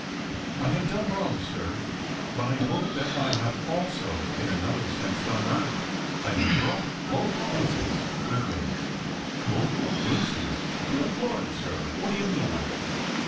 "I have done wrong, sir, but I hope that I have also, in another sense, done right. I have brought both princes with me." "Both princes Good Lord, sir, what do you mean?"